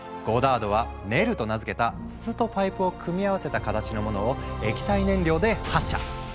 ゴダードは「ネル」と名付けた筒とパイプを組み合わせた形のものを液体燃料で発射。